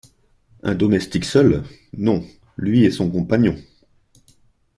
Un domestique seul ? Non ; lui et son compagnon.